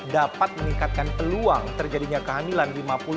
dapat meningkatkan peluang terjadinya kehamilan